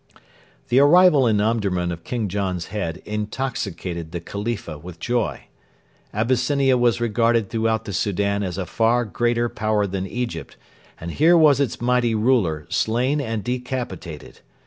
The arrival in Omdurman of King John's head intoxicated the Khalifa with joy. Abyssinia was regarded throughout the Soudan as a far greater power than Egypt, and here was its mighty ruler slain and decapitated.